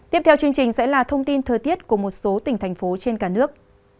tiếp theo chương trình sẽ là thông tin thời tiết của một số tỉnh thành phố trên cả nước